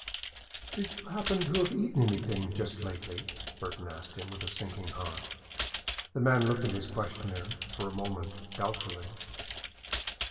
"Do you happen to have eaten anything just lately?" Burton asked him, with a sinking heart. The man looked at his questioner, for a moment, doubtfully.